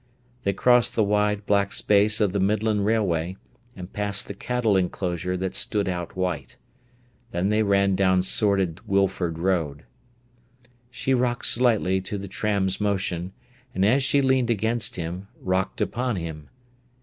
They crossed the wide, black space of the Midland Railway, and passed the cattle enclosure that stood out white. Then they ran down sordid Wilford Road. She rocked slightly to the tram's motion, and as she leaned against him, rocked upon him.